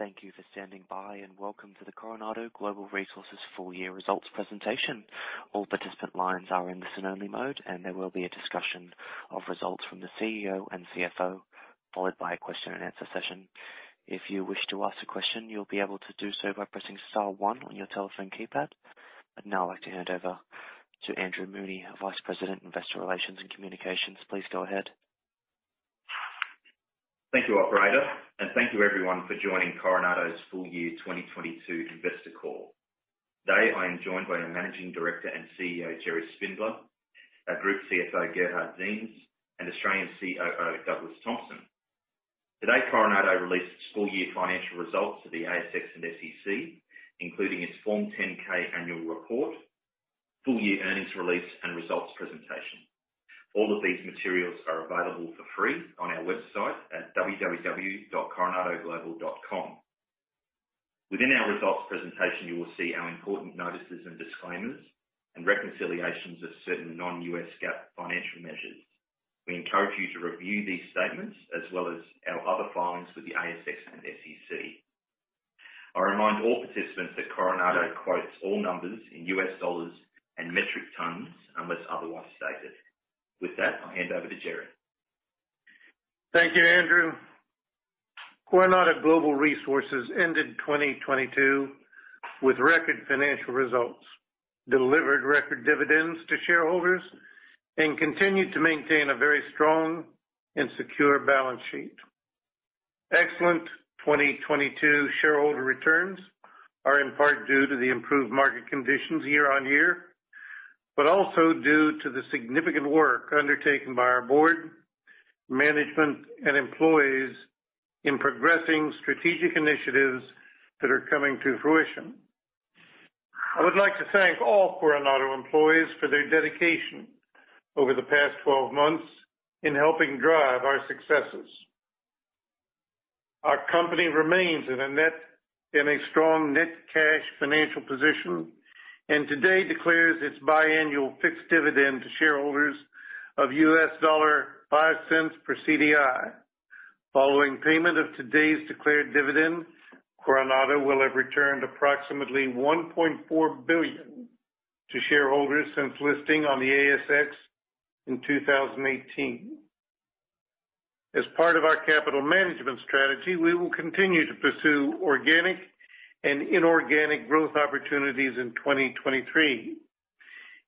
Thank you for standing by, and welcome to the Coronado Global Resources full year results presentation. All participant lines are in listen-only mode, and there will be a discussion of results from the CEO and CFO, followed by a question and answer session. If you wish to ask a question, you'll be able to do so by pressing star one on your telephone keypad. I'd now like to hand over to Andrew Mooney, Vice President, Investor Relations and Communications. Please go ahead. Thank you, operator, and thank you everyone for joining Coronado's full year 2022 investor call. Today, I am joined by our Managing Director and CEO, Gerry Spindler, our Group CFO, Gerhard Ziems, and Australian COO, Douglas Thompson. Today, Coronado released its full year financial results to the ASX and SEC, including its Form 10-K annual report, full year earnings release, and results presentation. All of these materials are available for free on our website at www.coronadoglobal.com. Within our results presentation, you will see our important notices and disclaimers and reconciliations of certain non-US GAAP financial measures. We encourage you to review these statements as well as our other filings with the ASX and SEC. I remind all participants that Coronado quotes all numbers in US dollars and metric tons unless otherwise stated. With that, I'll hand over to Gerry. Thank you, Andrew. Coronado Global Resources ended 2022 with record financial results, delivered record dividends to shareholders, and continued to maintain a very strong and secure balance sheet. Excellent 2022 shareholder returns are in part due to the improved market conditions year-over-year, but also due to the significant work undertaken by our board, management, and employees in progressing strategic initiatives that are coming to fruition. I would like to thank all Coronado employees for their dedication over the past 12 months in helping drive our successes. Our company remains in a strong net cash financial position, and today declares its biannual fixed dividend to shareholders of $0.05 per CDI. Following payment of today's declared dividend, Coronado will have returned approximately $1.4 billion to shareholders since listing on the ASX in 2018. As part of our capital management strategy, we will continue to pursue organic and inorganic growth opportunities in 2023.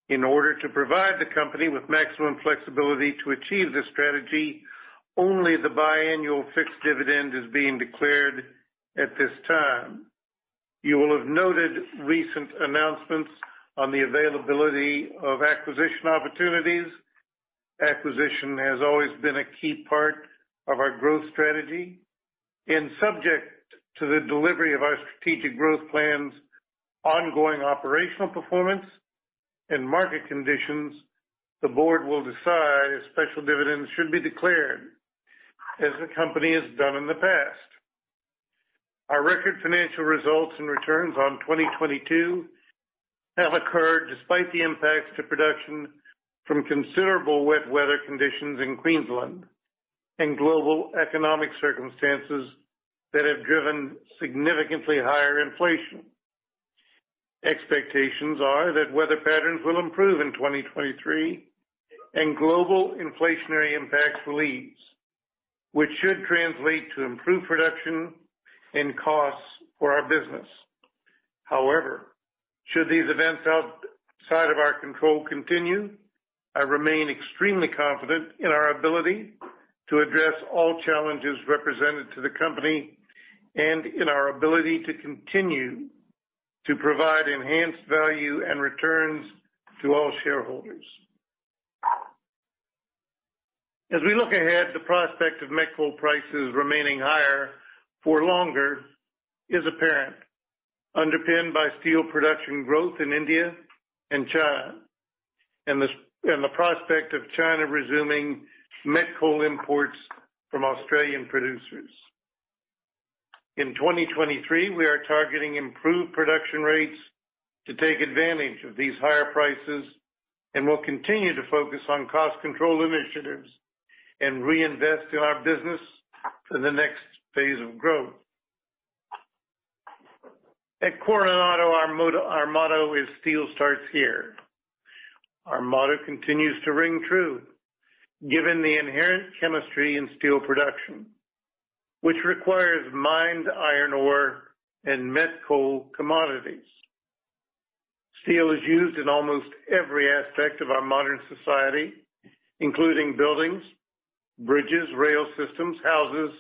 In order to provide the company with maximum flexibility to achieve this strategy, only the biannual fixed dividend is being declared at this time. You will have noted recent announcements on the availability of acquisition opportunities. Acquisition has always been a key part of our growth strategy. Subject to the delivery of our strategic growth plans, ongoing operational performance, and market conditions, the board will decide if special dividends should be declared as the company has done in the past. Our record financial results and returns on 2022 have occurred despite the impacts to production from considerable wet weather conditions in Queensland and global economic circumstances that have driven significantly higher inflation. Expectations are that weather patterns will improve in 2023, and global inflationary impacts will ease, which should translate to improved production and costs for our business. Should these events outside of our control continue, I remain extremely confident in our ability to address all challenges represented to the company and in our ability to continue to provide enhanced value and returns to all shareholders. As we look ahead, the prospect of met coal prices remaining higher for longer is apparent, underpinned by steel production growth in India and China and the and the prospect of China resuming met coal imports from Australian producers. In 2023, we are targeting improved production rates to take advantage of these higher prices, and we'll continue to focus on cost control initiatives and reinvest in our business for the next phase of growth. At Coronado, our motto is, "Steel starts here." Our motto continues to ring true given the inherent chemistry in steel production, which requires mined iron ore and met coal commodities. Steel is used in almost every aspect of our modern society, including buildings, bridges, rail systems, houses,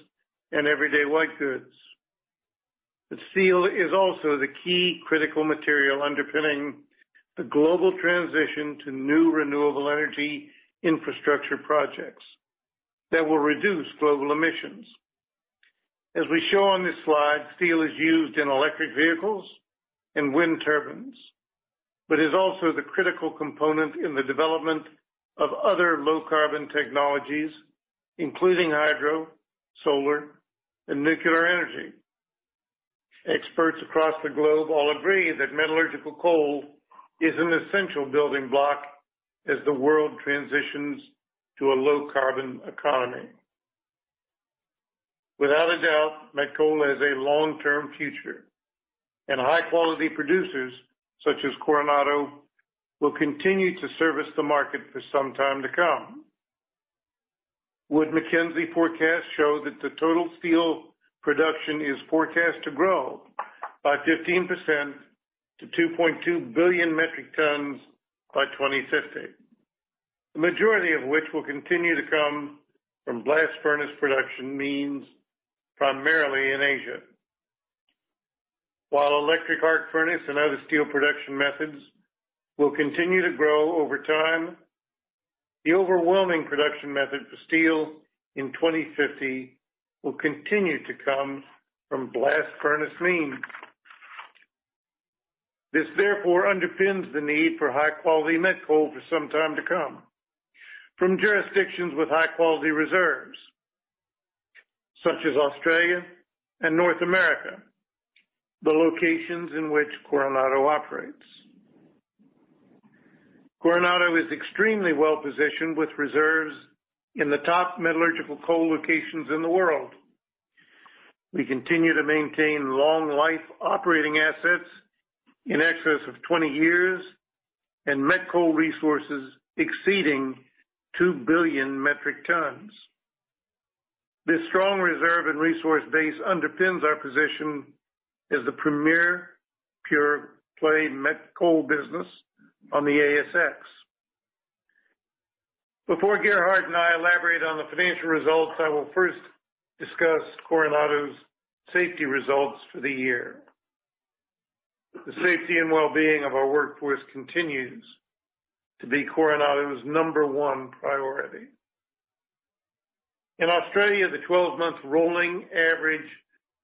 and everyday white goods. Steel is also the key critical material underpinning the global transition to new renewable energy infrastructure projects that will reduce global emissions. As we show on this slide, steel is used in electric vehicles and wind turbines, but is also the critical component in the development of other low-carbon technologies, including hydro, solar, and nuclear energy. Experts across the globe all agree that metallurgical coal is an essential building block as the world transitions to a low carbon economy. Without a doubt, met coal has a long-term future, and high-quality producers such as Coronado will continue to service the market for some time to come. Wood Mackenzie forecast show that the total steel production is forecast to grow by 15% to 2.2 billion metric tons by 2050. The majority of which will continue to come from blast furnace production means primarily in Asia. While electric arc furnace and other steel production methods will continue to grow over time, the overwhelming production method for steel in 2050 will continue to come from blast furnace means. This therefore underpins the need for high-quality met coal for some time to come. From jurisdictions with high-quality reserves, such as Australia and North America, the locations in which Coronado operates. Coronado is extremely well-positioned with reserves in the top metallurgical coal locations in the world. We continue to maintain long life operating assets in excess of 20 years and met coal resources exceeding 2 billion metric tons. This strong reserve and resource base underpins our position as the premier pure play met coal business on the ASX. Before Gerhard and I elaborate on the financial results, I will first discuss Coronado's safety results for the year. The safety and well-being of our workforce continues to be Coronado's number one priority. In Australia, the 12-month rolling average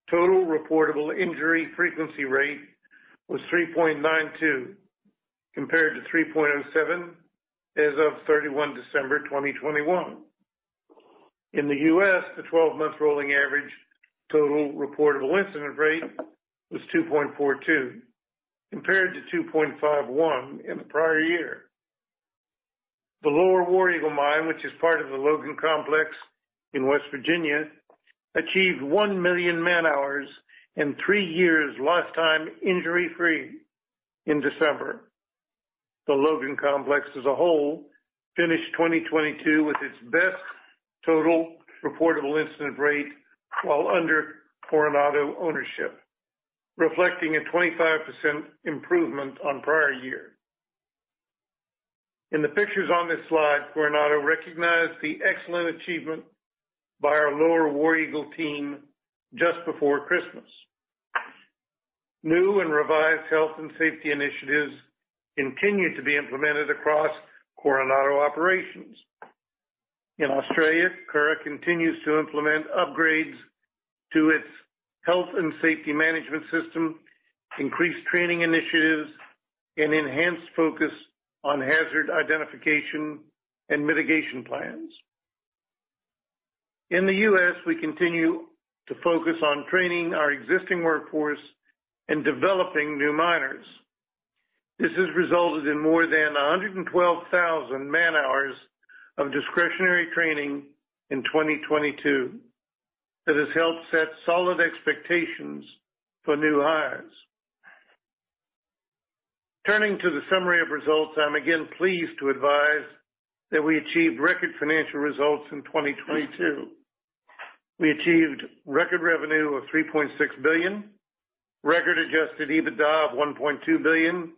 Total Recordable Injury Frequency Rate was 3.92, compared to 3.07 as of 31 December 2021. In the U.S., the 12-month rolling average Total Recordable Incident Rate was 2.42, compared to 2.51 in the prior year. The Lower War Eagle Mine, which is part of the Logan Complex in West Virginia, achieved 1 million man-hours and three years lost-time injury-free in December. The Logan Complex as a whole finished 2022 with its best Total Recordable Incident Rate while under Coronado ownership, reflecting a 25% improvement on prior year. In the pictures on this slide, Coronado recognized the excellent achievement by our Lower War Eagle team just before Christmas. New and revised health and safety initiatives continue to be implemented across Coronado operations. In Australia, Curragh continues to implement upgrades to its health and safety management system, increase training initiatives, and enhance focus on hazard identification and mitigation plans. In the U.S., we continue to focus on training our existing workforce and developing new miners. This has resulted in more than 112,000 man-hours of discretionary training in 2022 that has helped set solid expectations for new hires. Turning to the summary of results, I'm again pleased to advise that we achieved record financial results in 2022. We achieved record revenue of $3.6 billion, record Adjusted EBITDA of $1.2 billion,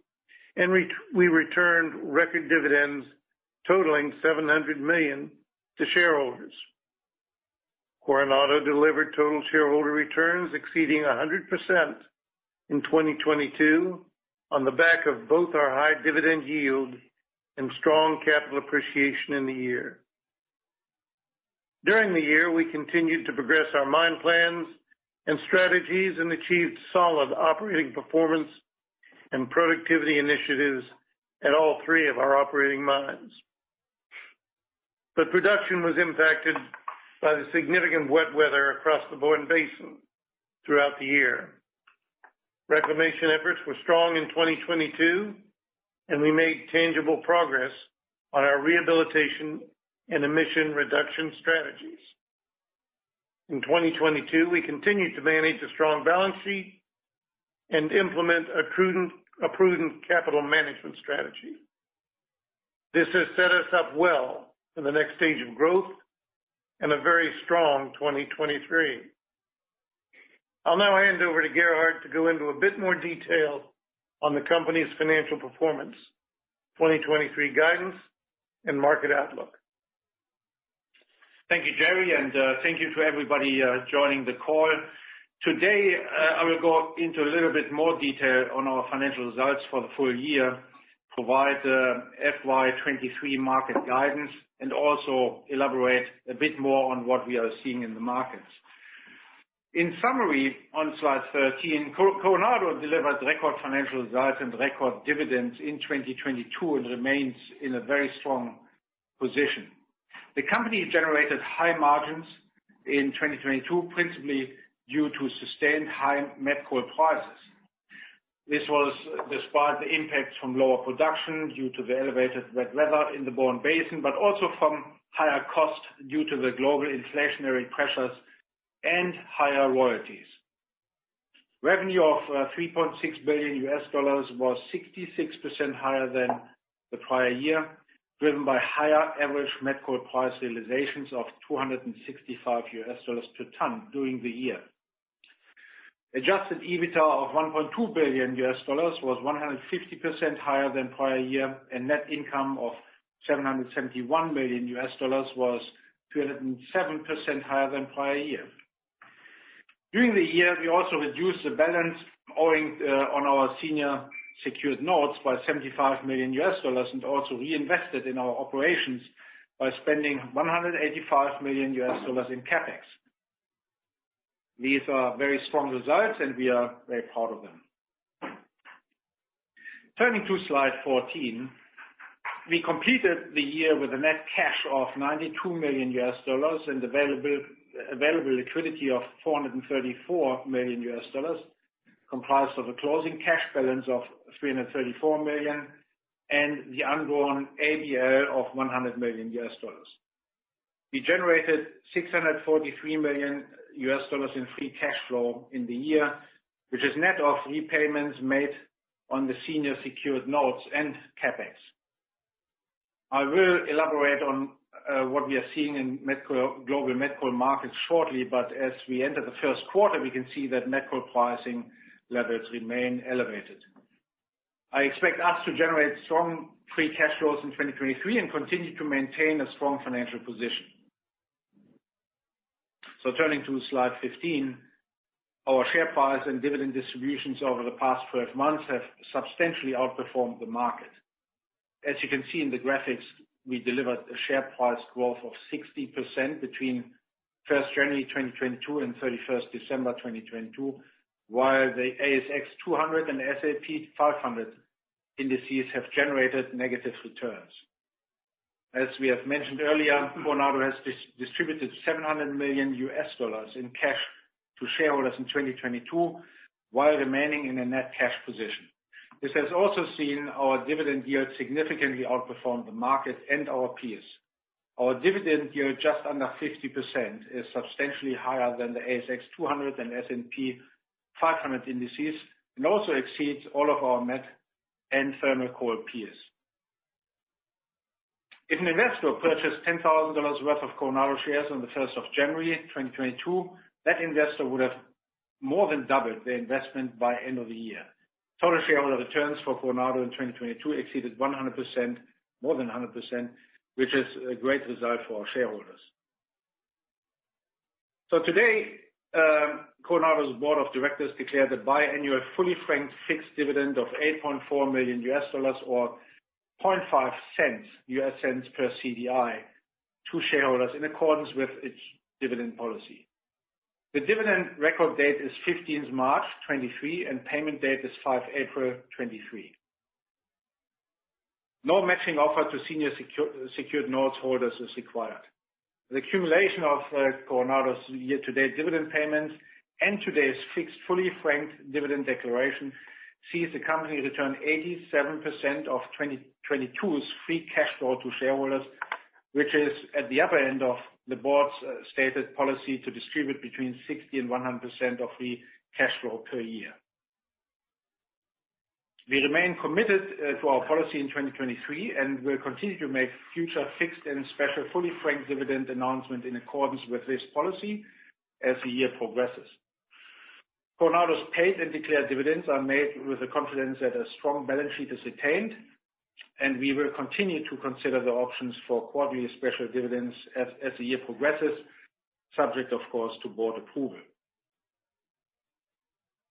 and we returned record dividends totaling $700 million to shareholders. Coronado delivered total shareholder returns exceeding 100% in 2022 on the back of both our high dividend yield and strong capital appreciation in the year. During the year, we continued to progress our mine plans and strategies and achieved solid operating performance and productivity initiatives at all three of our operating mines. Production was impacted by the significant wet weather across the Bowen Basin throughout the year. Reclamation efforts were strong in 2022, we made tangible progress on our rehabilitation and emission reduction strategies. In 2022, we continued to manage a strong balance sheet and implement a prudent capital management strategy. This has set us up well for the next stage of growth and a very strong 2023. I'll now hand over to Gerhard to go into a bit more detail on the company's financial performance, 2023 guidance and market outlook. Thank you, Gerry, and thank you to everybody joining the call. Today, I will go into a little bit more detail on our financial results for the full year, provide FY 2023 market guidance, and also elaborate a bit more on what we are seeing in the markets. In summary, on slide 13, Coronado delivered record financial results and record dividends in 2022 and remains in a very strong position. The company generated high margins in 2022, principally due to sustained high met coal prices. This was despite the impacts from lower production due to the elevated wet weather in the Bowen Basin, but also from higher costs due to the global inflationary pressures and higher royalties. Revenue of $3.6 billion was 66% higher than the prior year, driven by higher average met coal price realizations of $265 per ton during the year. Adjusted EBITDA of $1.2 billion was 100% higher than prior year. Net income of $771 million was 207% higher than prior year. During the year, we also reduced the balance owing on our Senior Secured Notes by $75 million and also reinvested in our operations by spending $185 million in CapEx. These are very strong results. We are very proud of them. Turning to slide 14, we completed the year with a net cash of $92 million and available liquidity of $434 million, comprised of a closing cash balance of $334 million and the undrawn ABL of $100 million. We generated $643 million in free cash flow in the year, which is net of repayments made on the Senior Secured Notes and CapEx. I will elaborate on what we are seeing in global met coal markets shortly. As we enter the first quarter, we can see that met coal pricing levels remain elevated. I expect us to generate strong free cash flows in 2023 and continue to maintain a strong financial position. Turning to slide 15, our share price and dividend distributions over the past 12 months have substantially outperformed the market. As you can see in the graphics, we delivered a share price growth of 60% between January 1st, 2022 and December 31st, 2022, while the ASX 200 and S&P 500 indices have generated negative returns. As we have mentioned earlier, Coronado has distributed $700 million in cash to shareholders in 2022 while remaining in a net cash position. This has also seen our dividend yield significantly outperform the market and our peers. Our dividend yield, just under 50%, is substantially higher than the ASX 200 and S&P 500 indices, and also exceeds all of our met and thermal coal peers. If an investor purchased $10,000 worth of Coronado shares on January 1st, 2022, that investor would have more than doubled their investment by end of the year. Total shareholder returns for Coronado in 2022 exceeded 100%, more than 100%, which is a great result for our shareholders. Today, Coronado's board of directors declared a biannual fully franked fixed dividend of $8.4 million or 0.5 U.S. cents per CDI to shareholders in accordance with its dividend policy. The dividend record date is March 15th, 2023, and payment date is April 5th, 2023. No matching offer to Senior Secured Notes holders is required. The accumulation of Coronado's year-to-date dividend payments and today's fixed fully franked dividend declaration sees the company return 87% of 2022's free cash flow to shareholders, which is at the upper end of the board's stated policy to distribute between 60% and 100% of the cash flow per year. We remain committed to our policy in 2023 and will continue to make future fixed and special fully franked dividend announcement in accordance with this policy as the year progresses. Coronado's paid and declared dividends are made with the confidence that a strong balance sheet is attained, and we will continue to consider the options for quarterly special dividends as the year progresses, subject of course to board approval.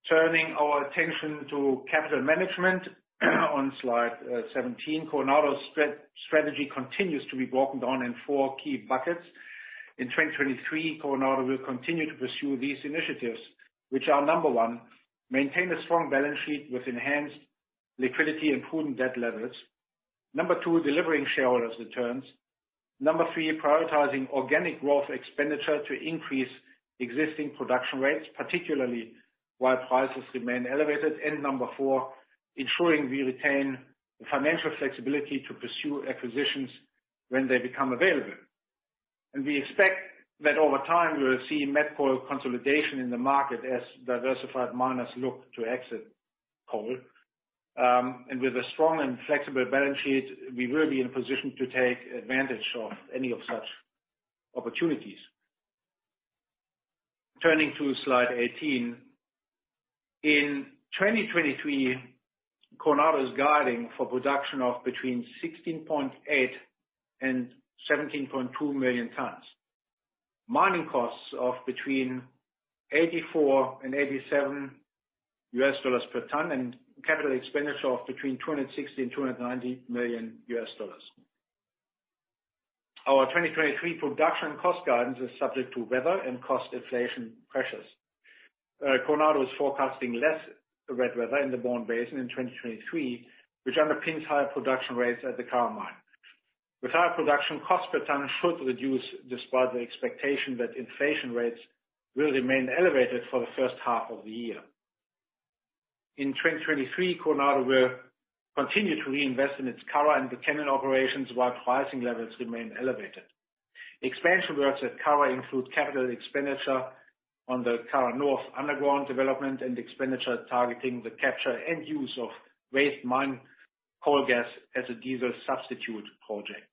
Turning our attention to capital management on slide 17. Coronado's strategy continues to be broken down in four key buckets. In 2023, Coronado will continue to pursue these initiatives which are, number one, maintain a strong balance sheet with enhanced liquidity and prudent debt levels. Number two, delivering shareholders' returns. Number three, prioritizing organic growth expenditure to increase existing production rates, particularly while prices remain elevated. Number four, ensuring we retain the financial flexibility to pursue acquisitions when they become available. We expect that over time, we will see met coal consolidation in the market as diversified miners look to exit coal. With a strong and flexible balance sheet, we will be in position to take advantage of any of such opportunities. Turning to slide 18. In 2023, Coronado is guiding for production of between 16.8 million tons and 17.2 million tons. Mining costs of between $84 and $87 per ton, and capital expenditure of between $260 million and $290 million. Our 2023 production cost guidance is subject to weather and cost inflation pressures. Coronado is forecasting less wet weather in the Bowen Basin in 2023, which underpins higher production rates at the Curragh mine. With higher production, cost per ton should reduce despite the expectation that inflation rates will remain elevated for the first half of the year. In 2023, Coronado will continue to reinvest in its Curragh and Buchanan operations while pricing levels remain elevated. Expansion works at Curragh include capital expenditure on the Curragh North underground development and expenditure targeting the capture and use of waste mine coal gas as a diesel substitute project.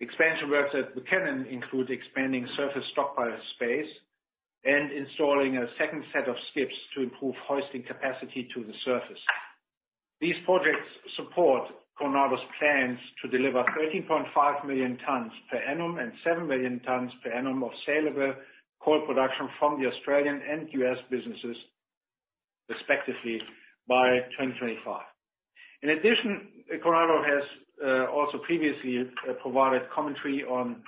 Expansion works at Buchanan include expanding surface stockpile space and installing a second set of skips to improve hoisting capacity to the surface. These projects support Coronado's plans to deliver 13.5 million tons per annum and 7 million tons per annum of sellable coal production from the Australian and U.S. businesses, respectively, by 2025. In addition, Coronado has also previously provided commentary on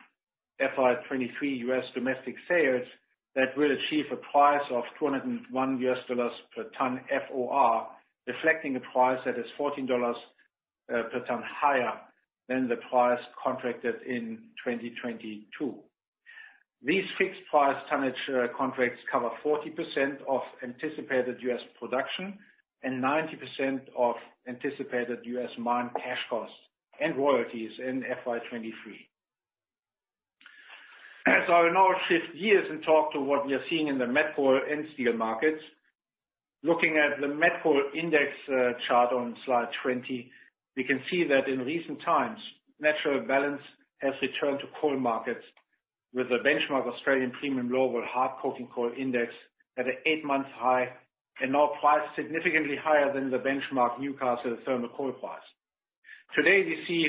FY 2023 U.S. Domestic sales that will achieve a price of $201 per ton FOR, reflecting a price that is $14 per ton higher than the price contracted in 2022. These fixed price tonnage contracts cover 40% of anticipated US production and 90% of anticipated U.S. mined cash costs and royalties in FY 2023. I will now shift gears and talk to what we are seeing in the met coal and steel markets. Looking at the met coal index, chart on slide 20, we can see that in recent times, natural balance has returned to coal markets with the benchmark Australian Premium Hard Coking Coal index at a eight-month high and now priced significantly higher than the benchmark Newcastle thermal coal price. Today, we see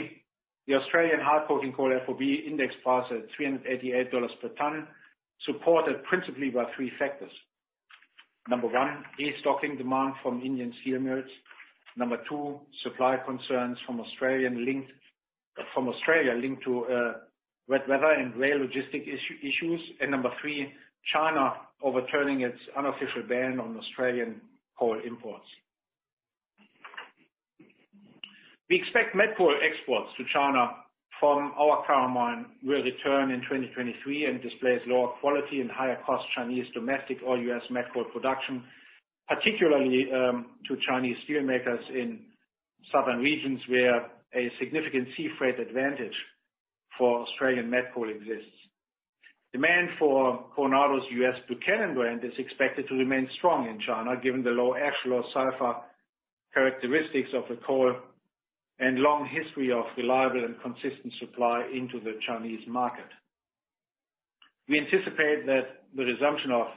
the Australian Hard Coking Coal FOB Index price at $388 per ton, supported principally by three factors. Number one, restocking demand from Indian steel mills. Number two, supply concerns from Australia linked to wet weather and rail logistic issues. Number three, China overturning its unofficial ban on Australian coal imports. We expect met coal exports to China from our Curragh mine will return in 2023 and displace lower quality and higher cost Chinese domestic or U.S. met coal production, particularly to Chinese steel makers in southern regions where a significant sea freight advantage for Australian met coal exists. Demand for Coronado's U.S. Buchanan brand is expected to remain strong in China, given the low ash, low sulfur characteristics of the coal and long history of reliable and consistent supply into the Chinese market. We anticipate that the resumption of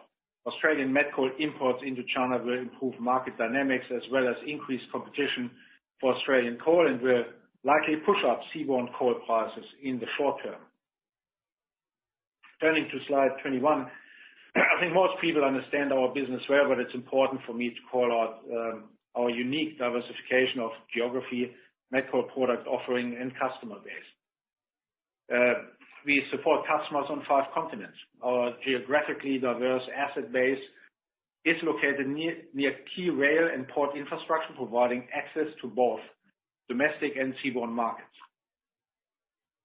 Australian met coal imports into China will improve market dynamics as well as increase competition for Australian coal and will likely push up seaborne coal prices in the short term. Turning to slide 21, I think most people understand our business well, but it's important for me to call out our unique diversification of geography, met coal product offering and customer base. We support customers on five continents. Our geographically diverse asset base is located near key rail and port infrastructure, providing access to both domestic and seaborne markets.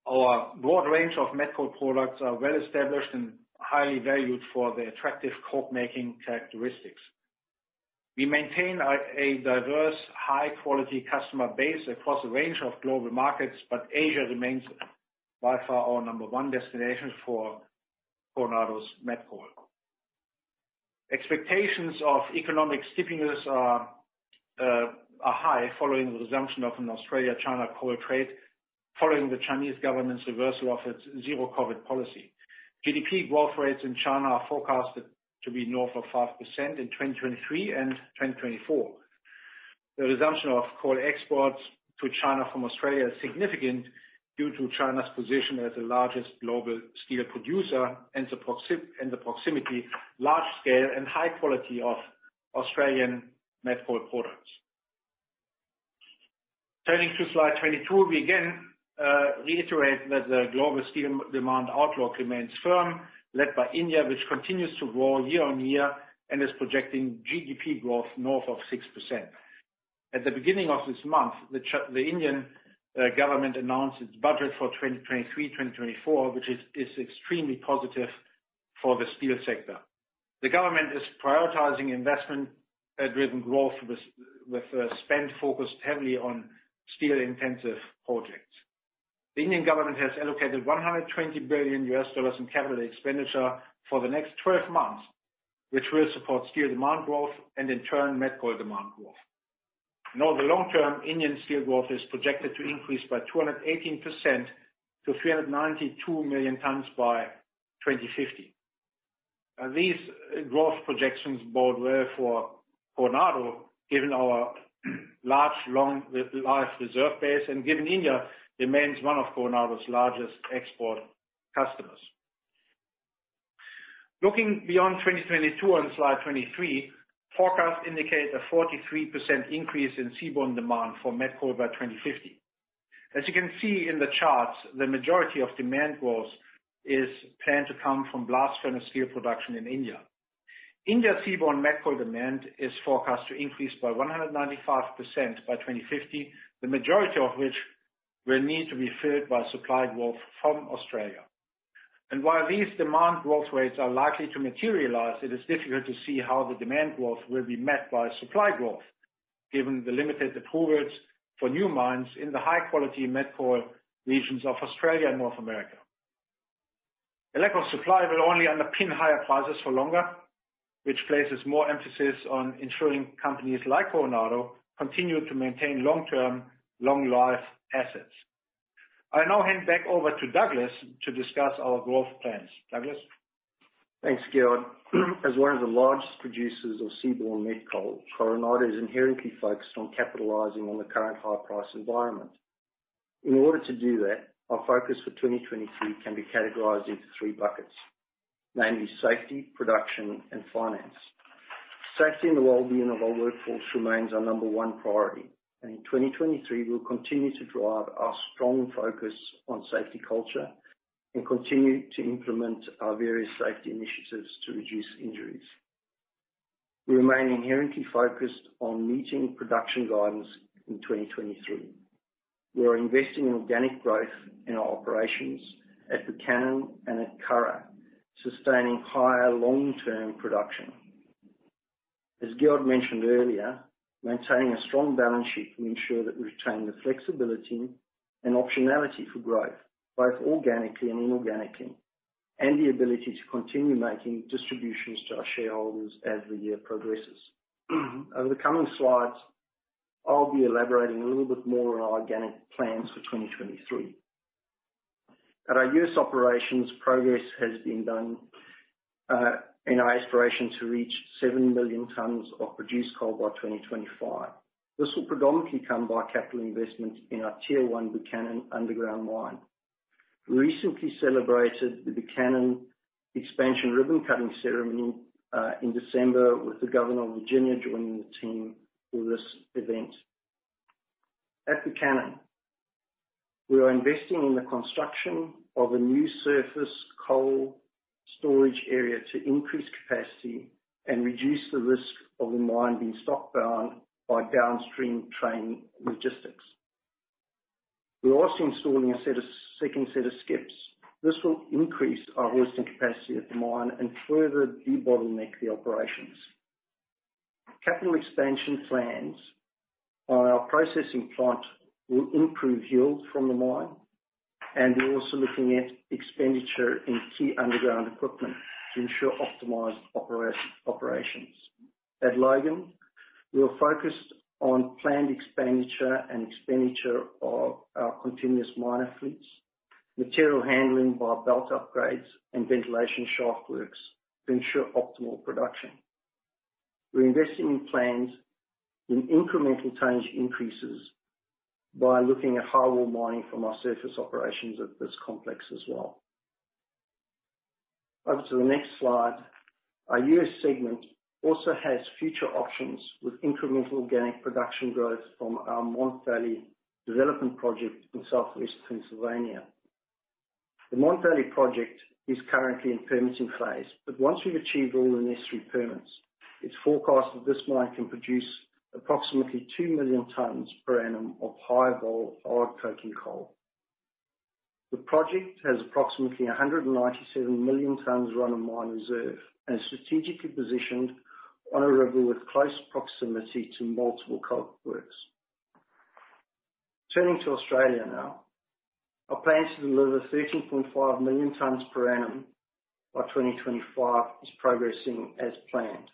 Our broad range of met coal products are well-established and highly valued for their attractive coke-making characteristics. We maintain a diverse, high-quality customer base across a range of global markets, but Asia remains by far our number one destination for Coronado's met coal. Expectations of economic stimulus are high following the resumption of an Australia-China coal trade following the Chinese government's reversal of its Zero-COVID policy. GDP growth rates in China are forecasted to be north of 5% in 2023 and 2024. The resumption of coal exports to China from Australia is significant due to China's position as the largest global steel producer and the proximity, large scale, and high quality of Australian met coal products. Turning to slide 22, we again reiterate that the global steel demand outlook remains firm, led by India, which continues to grow year-on-year and is projecting GDP growth north of 6%. At the beginning of this month, the Indian government announced its budget for 2023/2024, which is extremely positive for the steel sector. The government is prioritizing investment-driven growth with, uh, spend focused heavily on steel-intensive projects. The Indian government has allocated $120 billion in CapEx for the next 12 months, which will support steel demand growth and, in turn, met coal demand growth. The long-term Indian steel growth is projected to increase by 218% to 392 million tons by 2050. These growth projections bode well for Coronado given our large, long life reserve base and given India remains one of Coronado's largest export customers. Looking beyond 2022 on slide 23, forecasts indicate a 43% increase in seaborne demand for met coal by 2050. As you can see in the charts, the majority of demand growth is planned to come from blast furnace steel production in India. India seaborne met coal demand is forecast to increase by 195% by 2050, the majority of which will need to be filled by supply growth from Australia. While these demand growth rates are likely to materialize, it is difficult to see how the demand growth will be met by supply growth, given the limited approvals for new mines in the high-quality met coal regions of Australia and North America. Electricity supply will only underpin higher prices for longer, which places more emphasis on ensuring companies like Coronado continue to maintain long-term, long-life assets. I now hand back over to Douglas to discuss our growth plans. Douglas. Thanks, Gerhard. As one of the largest producers of seaborne met coal, Coronado is inherently focused on capitalizing on the current high-price environment. In order to do that, our focus for 2023 can be categorized into three buckets, namely safety, production, and finance. Safety and the well-being of our workforce remains our number one priority. In 2023, we'll continue to drive our strong focus on safety culture and continue to implement our various safety initiatives to reduce injuries. We remain inherently focused on meeting production guidance in 2023. We are investing in organic growth in our operations at Buchanan and at Curragh, sustaining higher long-term production. As Gerhard mentioned earlier, maintaining a strong balance sheet will ensure that we retain the flexibility and optionality for growth, both organically and inorganically, and the ability to continue making distributions to our shareholders as the year progresses. Over the coming slides, I'll be elaborating a little bit more on our organic plans for 2023. At our U.S. operations, progress has been done in our aspiration to reach 7 million tons of produced coal by 2025. This will predominantly come by capital investment in our Tier 1 Buchanan underground mine. We recently celebrated the Buchanan expansion ribbon-cutting ceremony in December, with the Governor of Virginia joining the team for this event. At Buchanan, we are investing in the construction of a new surface coal storage area to increase capacity and reduce the risk of the mine being stock-bound by downstream train logistics. We're also installing a second set of skips. This will increase our hosting capacity at the mine and further debottleneck the operations. Capital expansion plans on our processing plant will improve yield from the mine. We're also looking at expenditure in key underground equipment to ensure optimized operations. At Mon Valley, we are focused on planned expenditure and expenditure of our continuous miner fleets, material handling by belt upgrades and ventilation shaft works to ensure optimal production. We're investing in plans in incremental tonnage increases by looking at highwall mining from our surface operations at this complex as well. Over to the next slide. Our U.S. segment also has future options with incremental organic production growth from our Mon Valley development project in Southwest Pennsylvania. The Mon Valley project is currently in permitting phase. Once we've achieved all the necessary permits, it's forecasted this mine can produce approximately 2 million tons per annum of high-vol hard coking coal. The project has approximately 197 million tons run of mine reserve and is strategically positioned on a river with close proximity to multiple coke works. Turning to Australia now. Our plan to deliver 13.5 million tons per annum by 2025 is progressing as planned.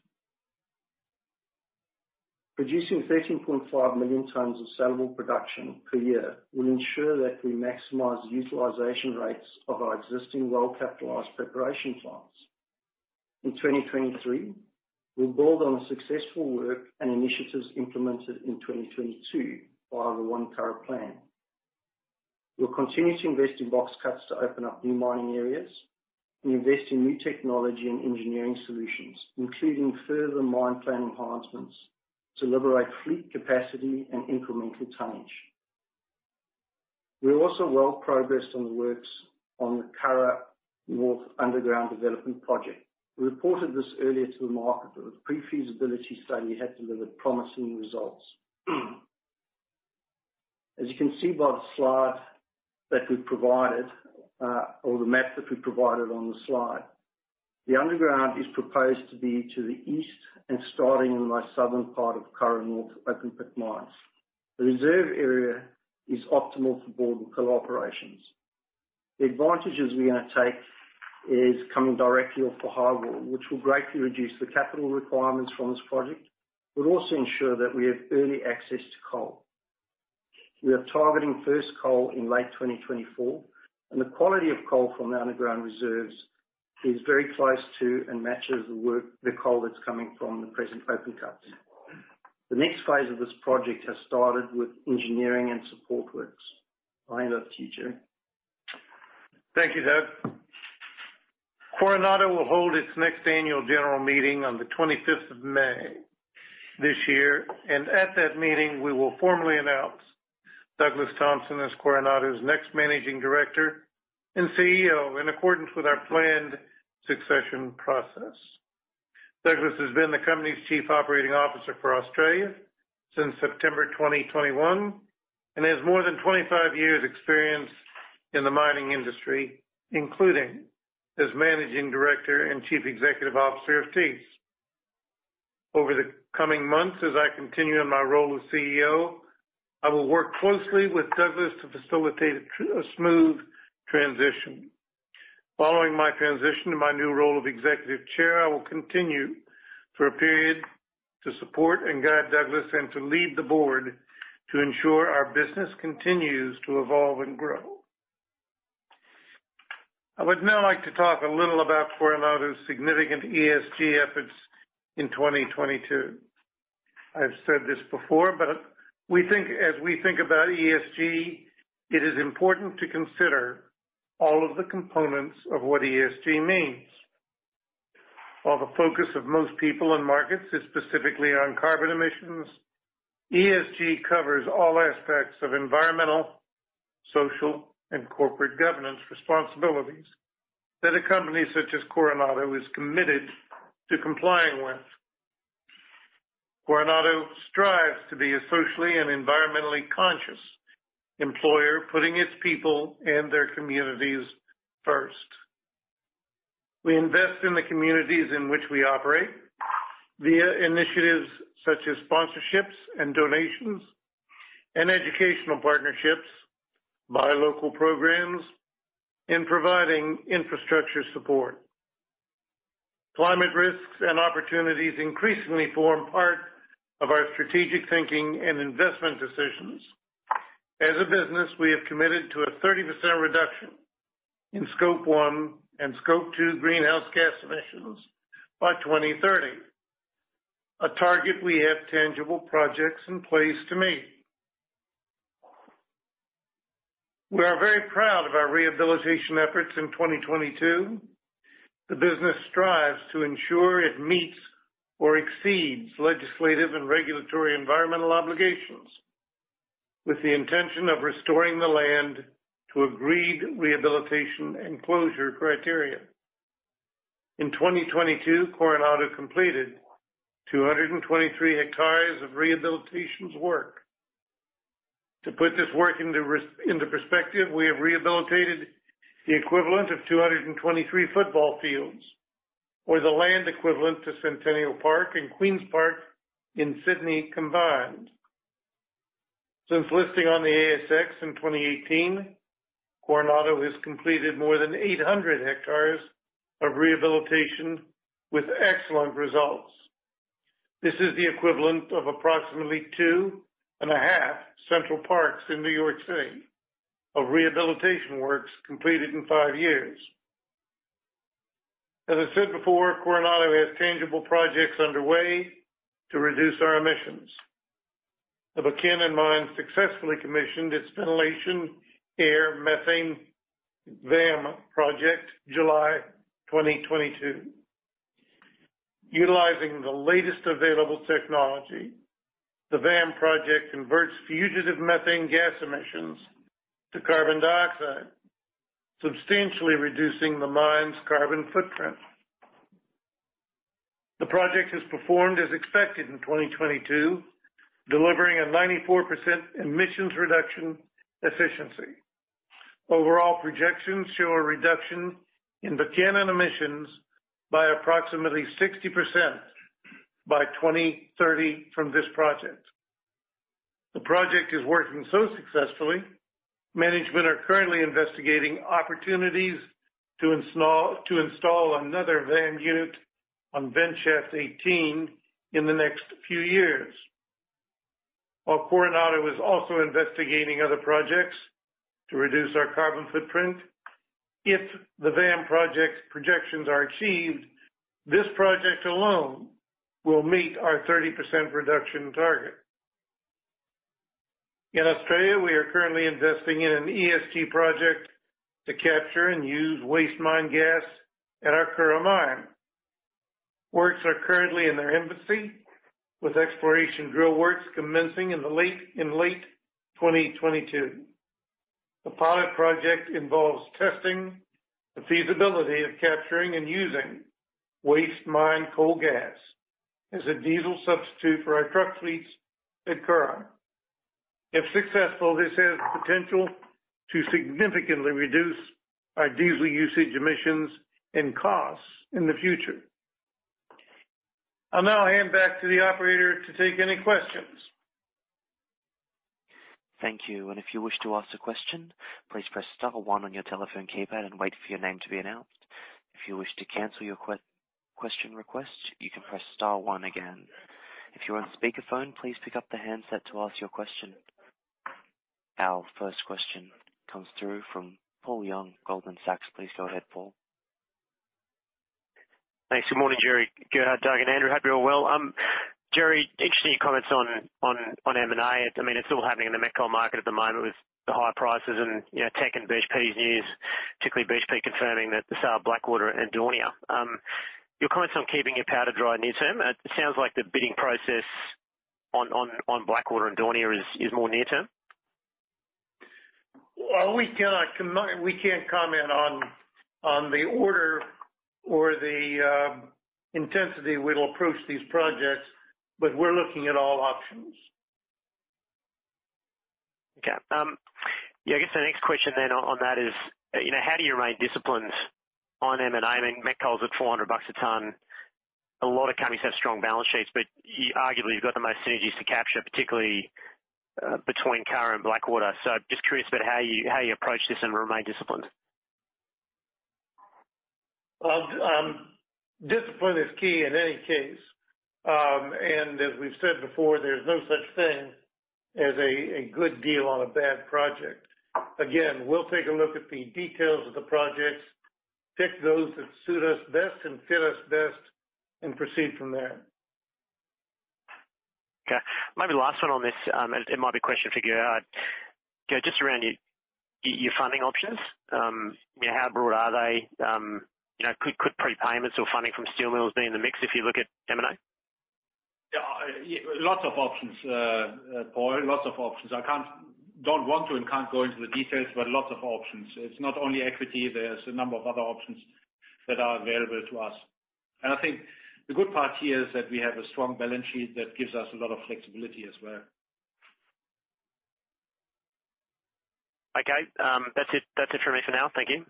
Producing 13.5 million tons of sellable production per year will ensure that we maximize utilization rates of our existing well-capitalized preparation plants. In 2023, we built on the successful work and initiatives implemented in 2022 via the One Curragh Plan. We'll continue to invest in box cuts to open up new mining areas and invest in new technology and engineering solutions, including further mine plan enhancements to liberate fleet capacity and incremental tonnage. We are also well progressed on the works on the Curragh North underground development project. We reported this earlier to the market that the pre-feasibility study had delivered promising results. As you can see by the slide that we provided, or the map that we provided on the slide, the underground is proposed to be to the east and starting in the southern part of Curragh North open pit mines. The reserve area is optimal for bord and pillar coal operations. The advantages we're gonna take is coming directly off the highwall, which will greatly reduce the capital requirements from this project. We'll also ensure that we have early access to coal. We are targeting first coal in late 2024, and the quality of coal from the underground reserves is very close to and matches the coal that's coming from the present open cuts. The next phase of this project has started with engineering and support works. Over to you, Gerhard. Thank you, Douglas. Coronado will hold its next annual general meeting on the 25th of May this year. At that meeting, we will formally announce Douglas Thompson as Coronado's next Managing Director and CEO in accordance with our planned succession process. Douglas has been the company's Chief Operating Officer for Australia since September 2021 and has more than 25 years experienced in the mining industry, including as Managing Director and Chief Executive Officer of Peabody. Over the coming months, as I continue in my role as CEO, I will work closely with Douglas to facilitate a smooth transition. Following my transition to my new role of Executive Chair, I will continue for a period to support and guide Douglas and to lead the board to ensure our business continues to evolve and grow. I would now like to talk a little about Coronado's significant ESG efforts in 2022. I've said this before, we think as we think about ESG, it is important to consider all of the components of what ESG means. While the focus of most people and markets is specifically on carbon emissions, ESG covers all aspects of environmental, social, and corporate governance responsibilities that a company such as Coronado is committed to complying with. Coronado strives to be a socially and environmentally conscious employer, putting its people and their communities first. We invest in the communities in which we operate via initiatives such as sponsorships and donations and educational partnerships by local programs in providing infrastructure support. Climate risks and opportunities increasingly form part of our strategic thinking and investment decisions. As a business, we have committed to a 30% reduction in Scope 1 and Scope 2 greenhouse gas emissions by 2030. A target we have tangible projects in place to meet. We are very proud of our rehabilitation efforts in 2022. The business strives to ensure it meets or exceeds legislative and regulatory environmental obligations with the intention of restoring the land to agreed rehabilitation and closure criteria. In 2022, Coronado completed 223 hectares of rehabilitations work. To put this work into perspective, we have rehabilitated the equivalent of 223 football fields, or the land equivalent to Centennial Park and Queens Park in Sydney combined. Since listing on the ASX in 2018, Coronado has completed more than 800 hectares of rehabilitation with excellent results. This is the equivalent of approximately 2.5 Central Parks in New York City of rehabilitation works completed in five years. As I said before, Coronado has tangible projects underway to reduce our emissions. The Buchanan mine successfully commissioned its ventilation air methane, VAM project July 2022. Utilizing the latest available technology, the VAM project converts fugitive methane gas emissions to carbon dioxide, substantially reducing the mine's carbon footprint. The project has performed as expected in 2022, delivering a 94% emissions reduction efficiency. Overall projections show a reduction in Buchanan emissions by approximately 60% by 2030 from this project. The project is working so successfully, management are currently investigating opportunities to install another VAM unit on vent shaft 18 in the next few years. Coronado is also investigating other projects to reduce our carbon footprint, if the VAM project's projections are achieved, this project alone will meet our 30% reduction target. In Australia, we are currently investing in an ESG project to capture and use waste mine gas at our Curragh mine. Works are currently in their infancy, with exploration drill works commencing in late 2022. The pilot project involves testing the feasibility of capturing and using waste mine coal gas as a diesel substitute for our truck fleets at Curragh. If successful, this has potential to significantly reduce our diesel usage emissions and costs in the future. I'll now hand back to the operator to take any questions. Thank you. If you wish to ask a question, please press star one on your telephone keypad and wait for your name to be announced. If you wish to cancel your question request, you can press star one again. If you're on speakerphone, please pick up the handset to ask your question. Our first question comes through from Paul Young, Goldman Sachs. Please go ahead, Paul. Thanks. Good morning, Gerry, Gerhard, Doug, and Andrew. Hope you're all well. Gerry, interesting your comments on M&A. I mean, it's all happening in the met coal market at the moment with the high prices and, you know, Teck and BHP's news. Particularly BHP confirming that the sale of Blackwater and Daunia. Your comments on keeping your powder dry near term. It sounds like the bidding process on Blackwater and Daunia is more near-term. Well, we can't comment on the order or the intensity we will approach these projects. We're looking at all options. Okay. I guess the next question then on that is, you know, how do you remain disciplined on M&A? I mean, met coal is at $400 a ton. A lot of companies have strong balance sheets, but arguably, you've got the most synergies to capture, particularly, between Curragh and Blackwater. Just curious about how you approach this and remain disciplined. Well, discipline is key in any case. As we've said before, there's no such thing as a good deal on a bad project. Again, we'll take a look at the details of the projects, pick those that suit us best and fit us best, and proceed from there. Okay. Maybe last one on this, it might be a question for Gerhard. Gerhard, just around your funding options. How broad are they? you know, could prepayments or funding from steel mills be in the mix if you look at M&A? Yeah, lots of options, Paul. Lots of options. Don't want to and can't go into the details, but lots of options. It's not only equity, there's a number of other options that are available to us. I think the good part here is that we have a strong balance sheet that gives us a lot of flexibility as well. Okay. That's it for me for now. Thank you.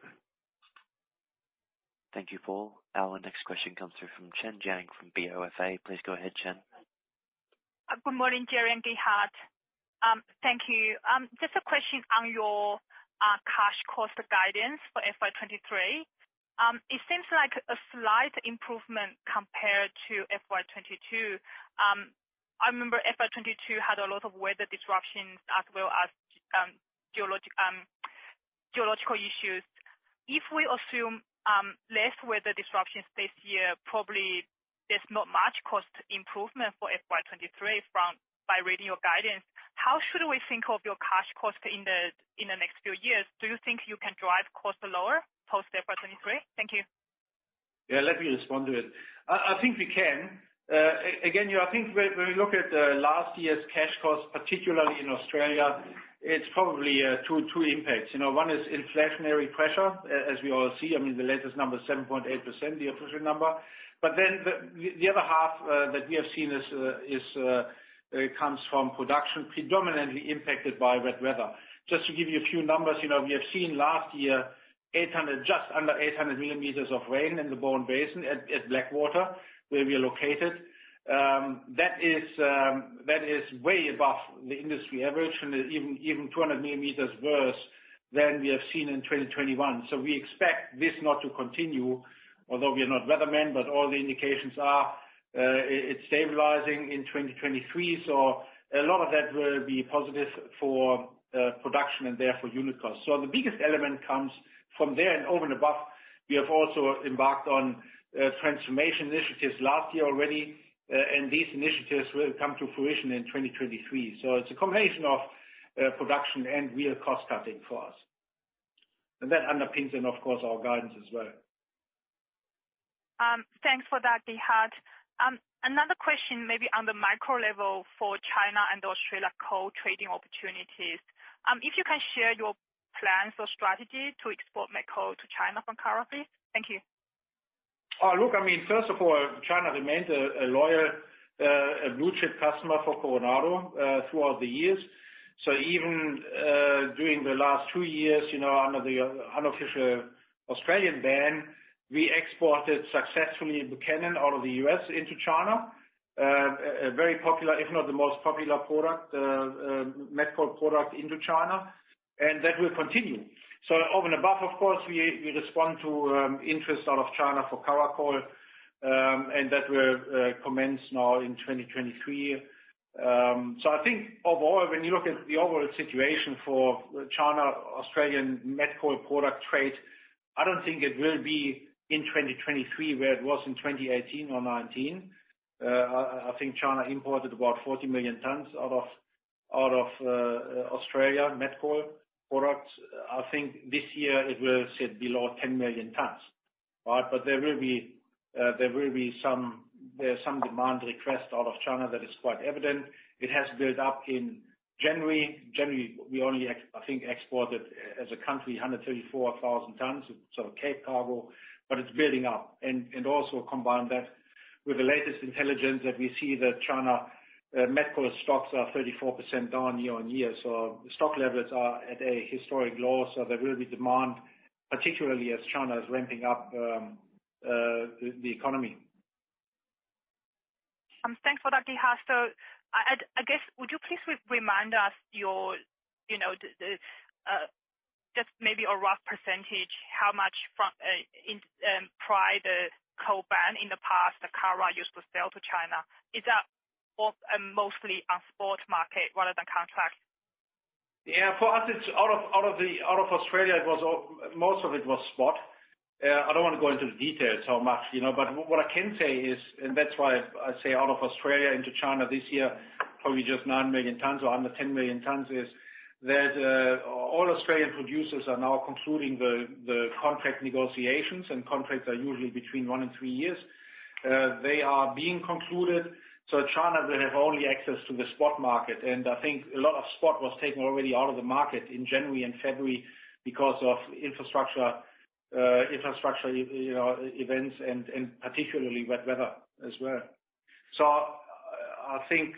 Thank you, Paul. Our next question comes through from Chen Jiang from BofA. Please go ahead, Qian. Good morning, Gerry and Gerhard. Thank you. Just a question on your cash cost guidance for FY 2023. It seems like a slight improvement compared to FY 2022. I remember FY 2022 had a lot of weather disruptions as well as geological issues. If we assume less weather disruptions this year, probably there's not much cost improvement for FY 2023 by reading your guidance. How should we think of your cash cost in the next few years? Do you think you can drive costs lower post FY 2023? Thank you. Yeah, let me respond to it. I think we can. Again, you know, I think when we look at last year's cash costs, particularly in Australia, it's probably two impacts. You know, one is inflationary pressure, as we all see. I mean, the latest number is 7.8%, the official number. The other half that we have seen is comes from production predominantly impacted by wet weather. Just to give you a few numbers, you know, we have seen last year 800, just under 800 millimeters of rain in the Bowen Basin at Blackwater where we are located. That is way above the industry average and even 200 millimeters worse than we have seen in 2021. We expect this not to continue, although we are not weathermen, but all the indications are, it's stabilizing in 2023. A lot of that will be positive for production and therefore unit costs. The biggest element comes from there. Over and above, we have also embarked on transformation initiatives last year already, and these initiatives will come to fruition in 2023. It's a combination of production and real cost cutting for us. That underpins then, of course, our guidance as well. Thanks for that, Gerhard. Another question maybe on the micro level for China and Australia coal trading opportunities. If you can share your plans or strategy to export met coal to China from Curragh please. Thank you. Look, I mean, first of all, China remains a loyal blue chip customer for Coronado throughout the years. Even during the last two years, you know, under the unofficial Australian ban, we exported successfully Buchanan out of the U.S. into China. A very popular, if not the most popular product, met coal product into China, and that will continue. Over and above, of course, we respond to interest out of China for Curragh coal, and that will commence now in 2023. I think overall, when you look at the overall situation for China-Australian met coal product trade, I don't think it will be in 2023 where it was in 2018 or 2019. I think China imported about 40 million tons out of Australia met coal products. I think this year it will sit below 10 million tons. There are some demand requests out of China that is quite evident. It has built up in January. January, we only I think exported as a country 134,000 tons, so Capesize cargo, but it's building up. Also combine that with the latest intelligence that we see that China met coal stocks are 34% down year-on-year. Stock levels are at a historic low. There will be demand, particularly as China is ramping up the economy. Thanks for that, Gerhard. I guess would you please remind us your, you know, the, just maybe a rough percentage, how much from, in, prior the coal ban in the past that Curragh used to sell to China? Is that for, mostly a spot market rather than contracts? Yeah, for us it's out of Australia, most of it was spot. I don't wanna go into the details so much, you know. What I can say is, and that's why I say out of Australia into China this year, probably just 9 million tons or under 10 million tons, is that all Australian producers are now concluding the contract negotiations, and contracts are usually between one and three years. They are being concluded, China will have only access to the spot market. I think a lot of spot was taken already out of the market in January and February because of infrastructure, you know, events and particularly wet weather as well. I think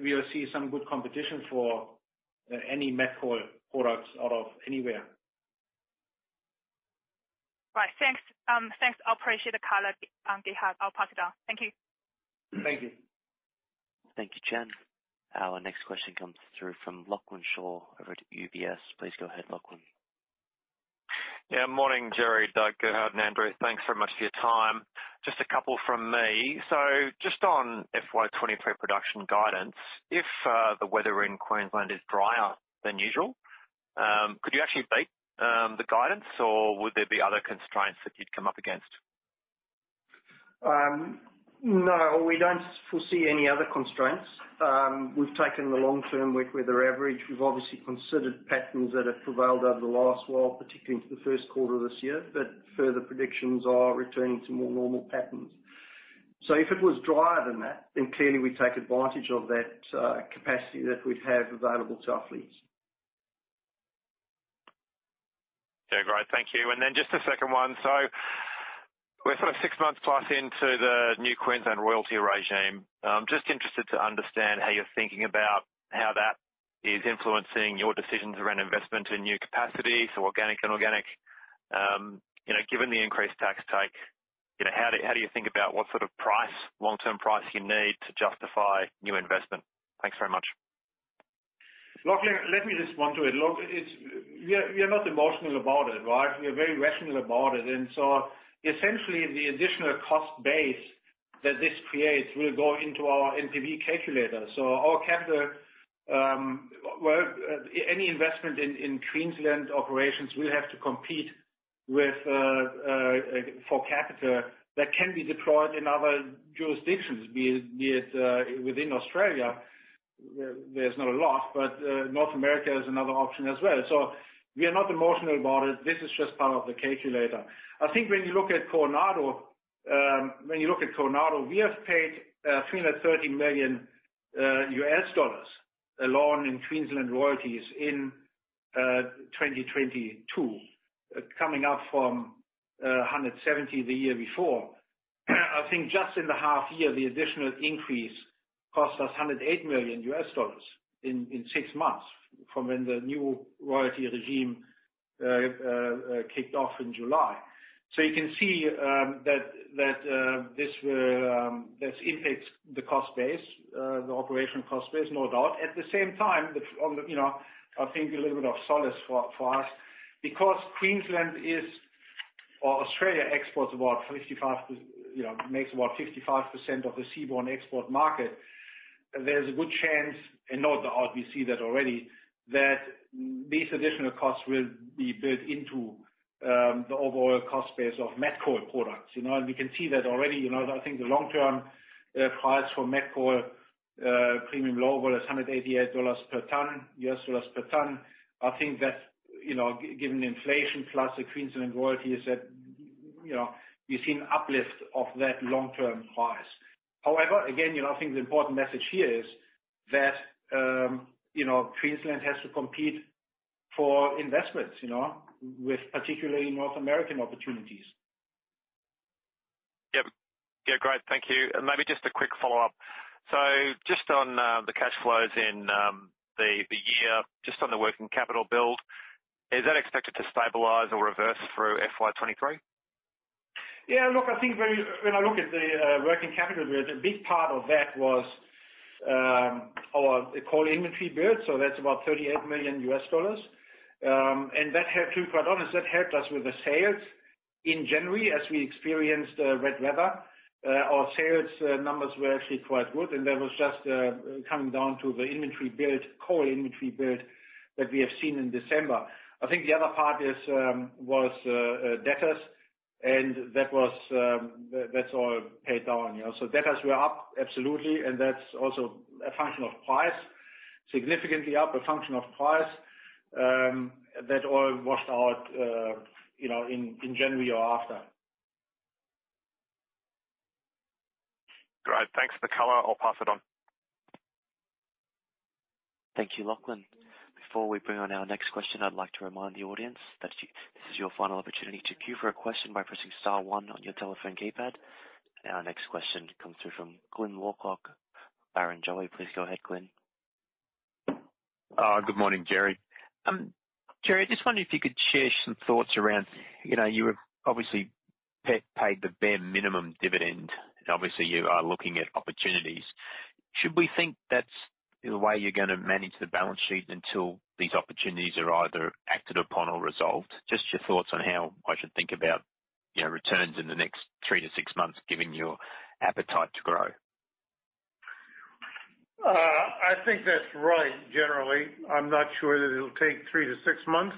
we'll see some good competition for any met coal products out of anywhere. Right. Thanks. Thanks. I appreciate the color, Gerhard. I'll pass it on. Thank you. Thank you. Thank you, Jen. Our next question comes through from Lachlan Shaw over at UBS. Please go ahead, Lachlan. Morning, Gerry, Gerhard, and Andrew. Thanks very much for your time. Just a couple from me. Just on FY 2023 production guidance, if the weather in Queensland is drier than usual, could you actually beat the guidance or would there be other constraints that you'd come up against? No. We don't foresee any other constraints. We've taken the long-term wet weather average. We've obviously considered patterns that have prevailed over the last while, particularly into the first quarter of this year. Further predictions are returning to more normal patterns. If it was drier than that, then clearly we take advantage of that capacity that we have available to our fleets. Okay. Great. Thank you. Just a second one. We're sort of 6+ months into the new Queensland royalty regime. Just interested to understand how you're thinking about how that is influencing your decisions around investment in new capacity, so organic and organic. You know, given the increased tax take, you know, how do you think about what sort of price, long-term price you need to justify new investment? Thanks very much. Lachlan, let me respond to it. Look, it's. We are not emotional about it, right? We are very rational about it. Essentially, the additional cost base that this creates will go into our NPV calculator. Our capital, well, any investment in Queensland operations will have to compete with for capital that can be deployed in other jurisdictions. Be it within Australia, there's not a lot, but North America is another option as well. We are not emotional about it. This is just part of the calculator. I think when you look at Coronado, when you look at Coronado, we have paid $330 million alone in Queensland royalties in 2022, coming up from 170 the year before. I think just in the half year, the additional increase cost us $108 million in six months from when the new royalty regime kicked off in July. You can see that this impacts the cost base, the operational cost base, no doubt. At the same time, on the, you know, I think a little bit of solace for us because Queensland is or Australia you know, makes about 55% of the seaborne export market, there's a good chance, and no doubt we see that already, that these additional costs will be built into the overall cost base of met coal products, you know? We can see that already. You know, I think the long-term price for met coal, premium low was $188 per ton, U.S. dollars per ton. I think that, you know, given the inflation plus the Queensland royalties that, you know, you've seen uplift of that long-term price. Again, you know, I think the important message here is that Queensland has to compete for investments, you know, with particularly North American opportunities. Yep. Yeah, great. Thank you. maybe just a quick follow-up. just on the cash flows in the year, just on the working capital build, is that expected to stabilize or reverse through FY 2023? Look, I think when I look at the working capital build, a big part of that was our coal inventory build, that's about $38 million. To be quite honest, that helped us with the sales in January as we experienced wet weather. Our sales numbers were actually quite good, that was just coming down to the inventory build, coal inventory build that we have seen in December. I think the other part is, was debtors, that was, that's all paid down, you know. Debtors were up, absolutely, that's also a function of price. Significantly up, a function of price, that all washed out, you know, in January or after. Great. Thanks for the color. I'll pass it on. Thank you, Lachlan. Before we bring on our next question, I'd like to remind the audience that this is your final opportunity to queue for a question by pressing star one on your telephone keypad. Our next question comes through from Glyn Lawcock, Barrenjoey. Please go ahead, Glyn. Good morning, Gerry. Gerry, I just wonder if you could share some thoughts around, you know, you have obviously paid the bare minimum dividend, and obviously you are looking at opportunities. Should we think that's the way you're gonna manage the balance sheet until these opportunities are either acted upon or resolved? Just your thoughts on how I should think about, you know, returns in the next three to six months given your appetite to grow. I think that's right. Generally, I'm not sure that it'll take 3-6 months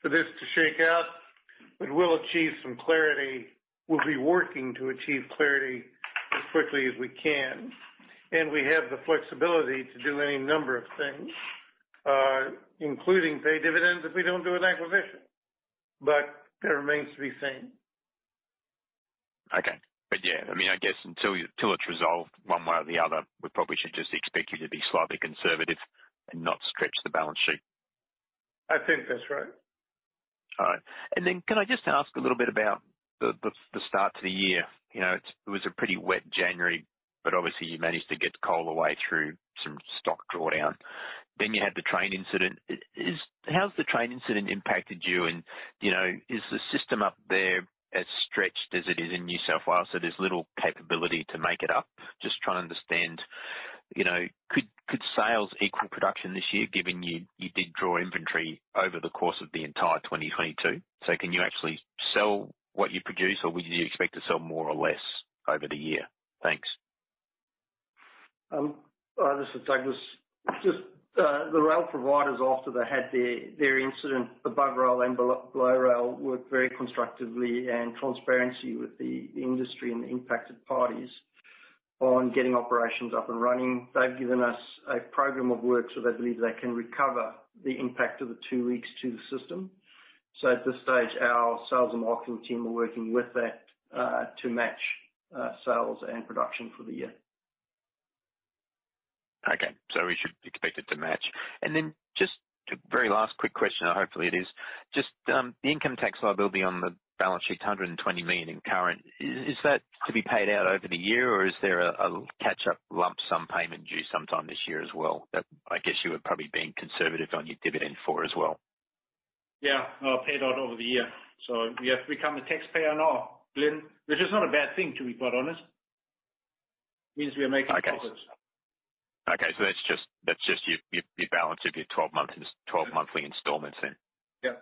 for this to shake out. We'll achieve some clarity. We'll be working to achieve clarity as quickly as we can. We have the flexibility to do any number of things, including pay dividends if we don't do an acquisition. That remains to be seen. Okay. Yeah, I mean, I guess until it's resolved one way or the other, we probably should just expect you to be slightly conservative and not stretch the balance sheet. I think that's right. All right. Then can I just ask a little bit about the, the start to the year? You know, it was a pretty wet January, obviously you managed to get coal away through some stock drawdown. Then you had the train incident. How's the train incident impacted you? Is the system up there as stretched as it is in New South Wales, so there's little capability to make it up? Just trying to understand, you know, could sales equal production this year, given you did draw inventory over the course of the entire 2022. Can you actually sell what you produce or would you expect to sell more or less over the year? Thanks. This is Douglas. Just the rail providers, after they had their incident, above rail and below rail, worked very constructively and transparency with the industry and the impacted parties on getting operations up and running. They've given us a program of work, they believe they can recover the impact of the two weeks to the system. At this stage, our sales and marketing team are working with that, to match sales and production for the year. We should expect it to match. Then just a very last quick question, or hopefully it is. Just the income tax liability on the balance sheet, $120 million in current. Is that to be paid out over the year, or is there a catch-up lump sum payment due sometime this year as well that I guess you were probably being conservative on your dividend for as well? Yeah. paid out over the year. We have become a taxpayer now, Glyn. Which is not a bad thing, to be quite honest. Means we are making profits. Okay. That's just your balance of your 12-monthly installments then. Yeah.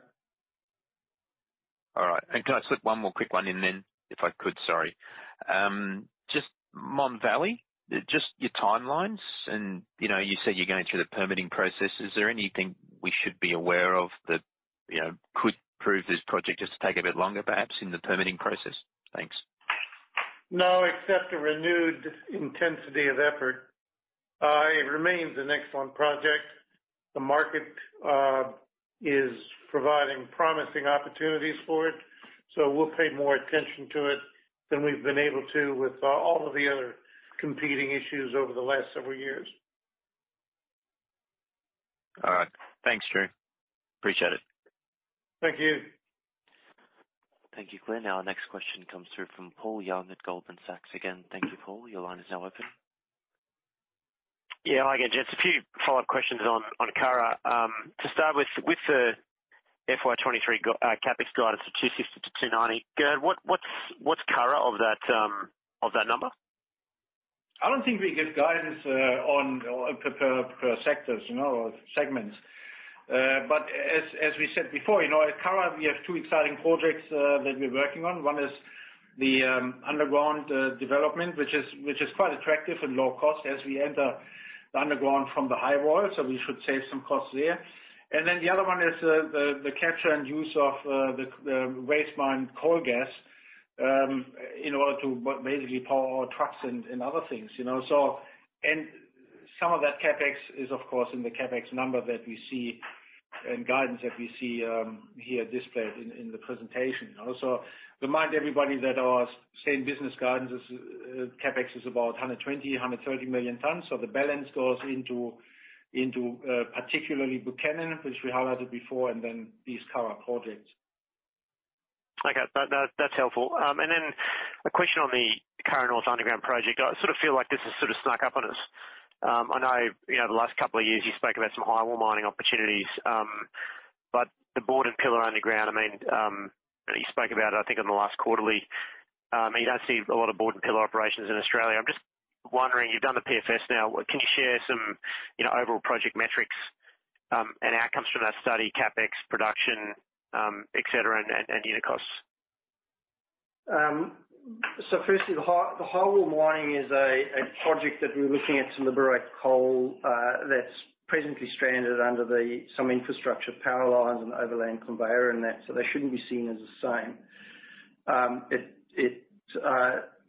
All right. Can I slip one more quick one in then, if I could? Sorry. Just Mon Valley, just your timelines and, you know, you said you're going through the permitting process. Is there anything we should be aware of that, you know, could prove this project just to take a bit longer perhaps in the permitting process? Thanks. No, except a renewed intensity of effort. It remains an excellent project. The market is providing promising opportunities for it. We'll pay more attention to it than we've been able to with all of the other competing issues over the last several years. All right. Thanks, Gerry. Appreciate it. Thank you. Thank you, Glyn. Our next question comes through from Paul Young at Goldman Sachs. Thank you, Paul. Your line is now open. Yeah. Hi again, gents. A few follow-up questions on Curragh. To start with the FY 2023 CapEx guidance of $260 million-$290 million. Gerhard, what's Curragh of that of that number? I don't think we give guidance on per sectors, you know, or segments. As we said before, you know, at Curragh we have two exciting projects that we're working on. One is the underground development, which is quite attractive and low cost as we enter the underground from the highwall. We should save some costs there. Then the other one is the capture and use of the waste mine coal gas in order to basically power our trucks and other things, you know. Some of that CapEx is, of course, in the CapEx number that we see and guidance that we see here displayed in the presentation. Also remind everybody that our same business guidance is, CapEx is about 120 million tons-130 million tons. The balance goes into particularly Buchanan, which we highlighted before, and then these Curragh projects. Okay. That's helpful. Then a question on the Curragh North underground project. I sort of feel like this has sort of snuck up on us. I know, you know, the last couple of years you spoke about some highwall mining opportunities. The bord and pillar underground, I mean, you spoke about, I think on the last quarterly, and you don't see a lot of bord and pillar operations in Australia. I'm just wondering, you've done the PFS now. Can you share some, you know, overall project metrics, and outcomes from that study, CapEx, production, et cetera, and unit costs? Firstly, the highwall mining is a project that we're looking at to liberate coal that's presently stranded under some infrastructure, power lines and overland conveyor and that. They shouldn't be seen as the same. It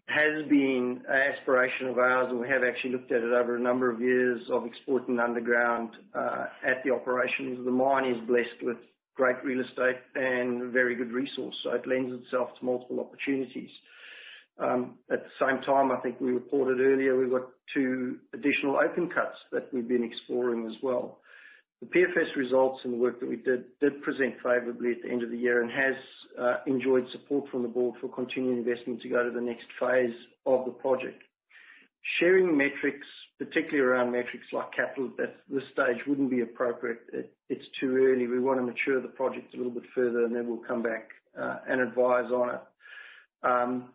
has been an aspiration of ours, and we have actually looked at it over a number of years of exporting underground at the operations. The mine is blessed with great real estate and very good resource, so it lends itself to multiple opportunities. At the same time, I think we reported earlier, we've got two additional open cuts that we've been exploring as well. The PFS results and the work that we did present favorably at the end of the year and has enjoyed support from the board for continuing investment to go to the next phase of the project. Sharing metrics, particularly around metrics like capital, at this stage wouldn't be appropriate. It's too early. We want to mature the project a little bit further, we'll come back and advise on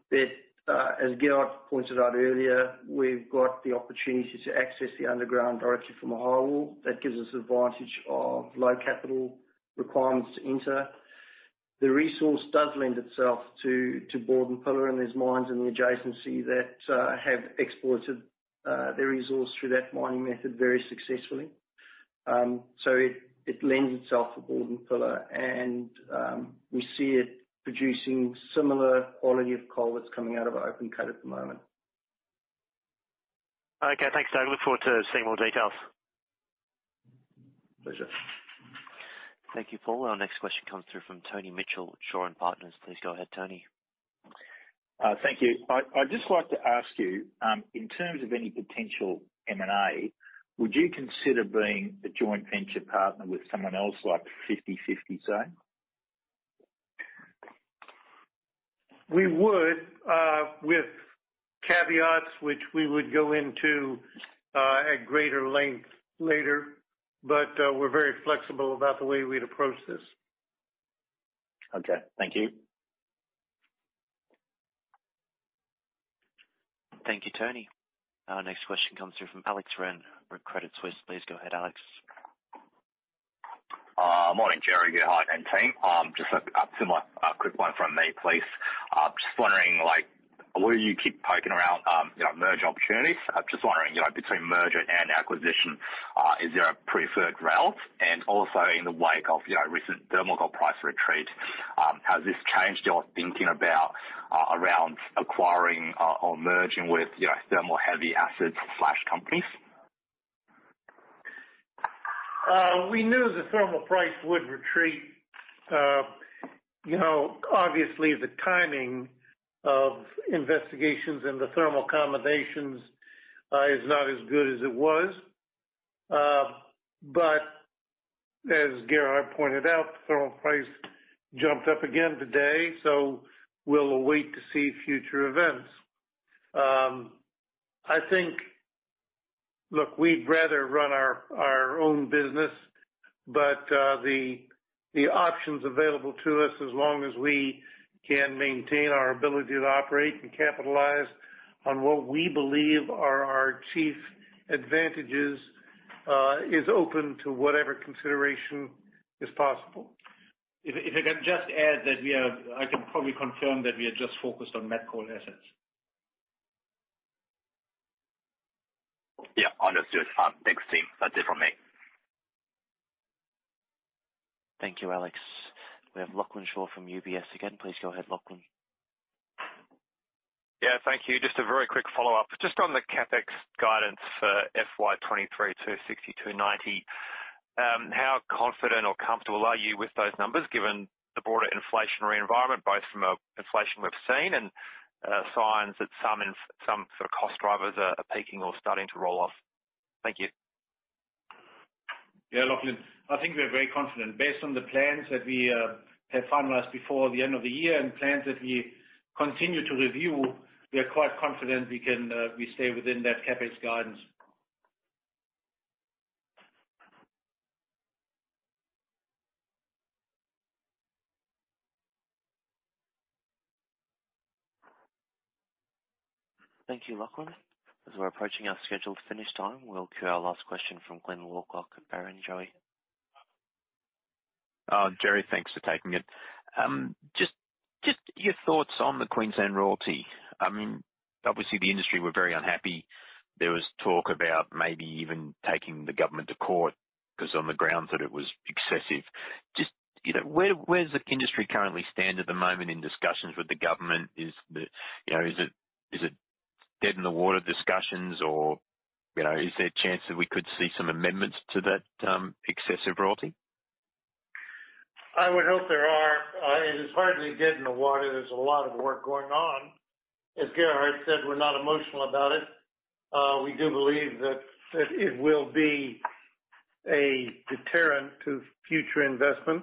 it. As Gerhard pointed out earlier, we've got the opportunity to access the underground directly from a highwall. That gives us advantage of low capital requirements to enter. The resource does lend itself to bord and pillar, and there's mines in the adjacency that have exploited their resource through that mining method very successfully. It lends itself to bord and pillar. We see it producing similar quality of coal that's coming out of our open cut at the moment. Okay. Thanks, Douglas. Look forward to seeing more details. Pleasure. Thank you, Paul. Our next question comes through from Tony Mitchell at Shaw and Partners. Please go ahead, Tony. Thank you. I'd just like to ask you, in terms of any potential M&A, would you consider being a joint venture partner with someone else, like 50/50, say? We would, with caveats, which we would go into, at greater length later. We're very flexible about the way we'd approach this. Okay. Thank you. Thank you, Tony. Our next question comes through from Alex Ren with Credit Suisse. Please go ahead, Alex. Morning, Gerry, Gerhard, and team. Just a similar quick one from me, please. Just wondering, like where you keep poking around, you know, merger opportunities. I'm just wondering, you know, between merger and acquisition, is there a preferred route? Also in the wake of, you know, recent thermal coal price retreat, has this changed your thinking about around acquiring or merging with, you know, thermal heavy assets/companies? We knew the thermal price would retreat. You know, obviously the timing of investigations into thermal accommodations, is not as good as it was. As Gerhard pointed out, thermal price jumped up again today, so we'll await to see future events. Look, we'd rather run our own business, but the options available to us as long as we can maintain our ability to operate and capitalize on what we believe are our chief advantages, is open to whatever consideration is possible. If I can just add that I can probably confirm that we are just focused on met coal assets. Yeah. Understood. Thanks, team. That's it from me. Thank you, Alex. We have Lachlan Shaw from UBS again. Please go ahead, Lachlan. Thank you. Just a very quick follow-up. Just on the CapEx guidance for FY 2023 to $62.90, how confident or comfortable are you with those numbers, given the broader inflationary environment, both from an inflation we've seen and signs that some sort of cost drivers are peaking or starting to roll off? Thank you. Yeah, Lachlan. I think we are very confident. Based on the plans that we have finalized before the end of the year and plans that we continue to review, we are quite confident we stay within that CapEx guidance. Thank you, Lachlan. As we're approaching our scheduled finish time, we'll queue our last question from Glyn Lawcock at Barrenjoey. Gerry, thanks for taking it. Your thoughts on the Queensland royalty. I mean, obviously the industry were very unhappy. There was talk about maybe even taking the government to court 'cause on the grounds that it was excessive. You know, where does the industry currently stand at the moment in discussions with the government? Is it dead in the water discussions or, you know, is there a chance that we could see some amendments to that excessive royalty? I would hope there are. It is hardly dead in the water. There's a lot of work going on. As Gerhard said, we're not emotional about it. We do believe that it will be a deterrent to future investment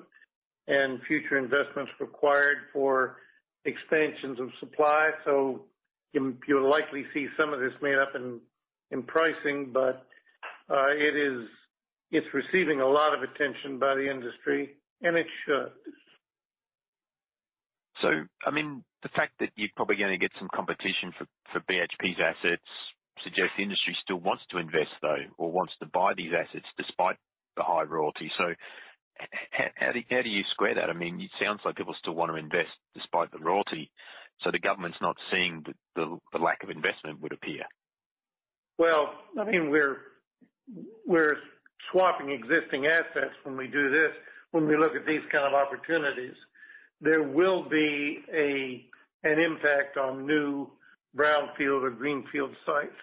and future investments required for expansions of supply. You'll likely see some of this made up in pricing. It's receiving a lot of attention by the industry, and it should. The fact that you're probably gonna get some competition for BHP's assets suggests the industry still wants to invest, though, or wants to buy these assets despite the high royalty. How do you square that? It sounds like people still wanna invest despite the royalty, so the government's not seeing the lack of investment would appear. I mean, we're swapping existing assets when we do this. When we look at these kind of opportunities, there will be an impact on new brownfield or greenfield sites,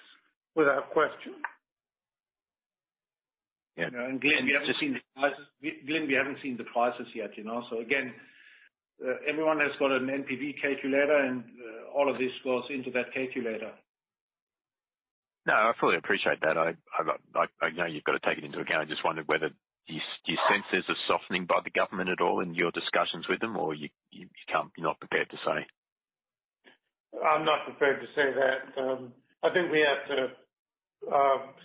without question. Yeah. Glyn, we haven't seen the prices yet, you know. Again, everyone has got an NPV calculator, and all of this goes into that calculator. I fully appreciate that. I know you've got to take it into account. I just wondered whether do you sense there's a softening by the government at all in your discussions with them or you can't, you're not prepared to say? I'm not prepared to say that. I think we have to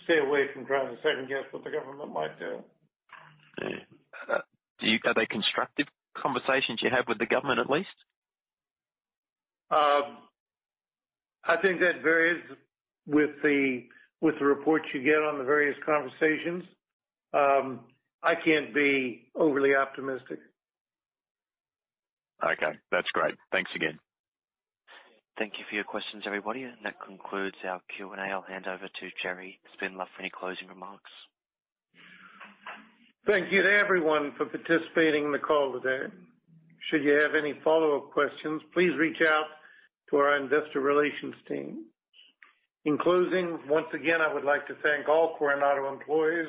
stay away from trying to second-guess what the government might do. Yeah. Are they constructive conversations you have with the government, at least? I think that varies with the, with the reports you get on the various conversations. I can't be overly optimistic. Okay. That's great. Thanks again. Thank you for your questions, everybody, and that concludes our Q&A. I'll hand over to Gerry Spindler for any closing remarks. Thank you to everyone for participating in the call today. Should you have any follow-up questions, please reach out to our investor relations team. In closing, once again, I would like to thank all Coronado employees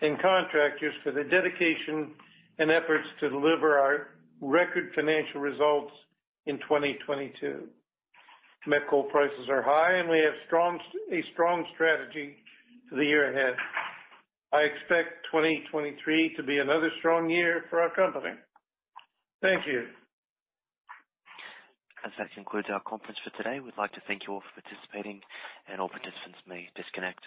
and contractors for their dedication and efforts to deliver our record financial results in 2022. Met coal prices are high, and we have a strong strategy for the year ahead. I expect 2023 to be another strong year for our company. Thank you. As that concludes our conference for today, we'd like to thank you all for participating, and all participants may disconnect.